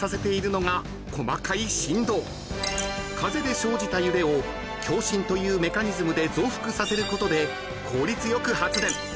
［風で生じた揺れを共振というメカニズムで増幅させることで効率よく発電］